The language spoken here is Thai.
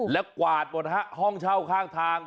แล้วกวาดหมดฮะห้องเช่าข้างทาง